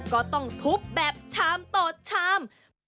ก็ต้องทุบแบบชามต่อชาม